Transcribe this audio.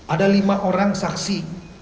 ada lima orang saksi